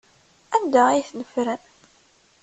Anda ay ten-ffren?